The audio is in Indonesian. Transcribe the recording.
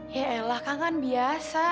ya elah kangen biasa